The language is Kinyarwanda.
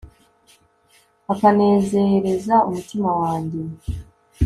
akanezereza umutima wanjye